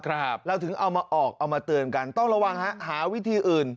เราถึงเอามาออกเอามาเตือนกันต้องระวังฮะหาวิธีอื่น